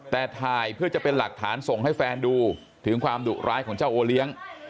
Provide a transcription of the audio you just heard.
แต่ถ่ายเพื่อจะเป็นหลักฐานส่งให้แฟนดูถึงความดุร้ายของเจ้าโอเลี้ยง